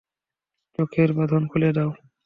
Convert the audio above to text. চোখের বাঁধন খুলে দাও।